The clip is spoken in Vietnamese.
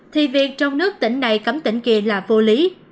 thì việc trong nước tỉnh này cấm tỉnh kỳ là vô lý